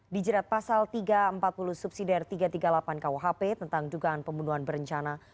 dijerat pasal tiga ratus empat puluh subsidi r tiga ratus tiga puluh delapan kuhp tentang dugaan pembunuhan berencana